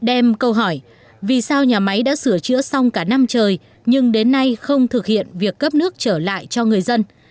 đem câu hỏi vì sao nhà máy đã sửa chữa xong cả năm trời nhưng đến nay không thực hiện việc cấp nước trở lại cho người dân